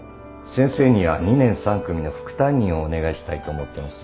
先生には２年３組の副担任をお願いしたいと思ってます。